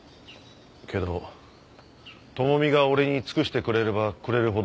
けど智美が俺に尽くしてくれればくれるほど